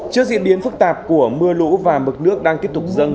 trước diễn biến phức tạp của mưa lũ và mực nước đang tiếp tục dâng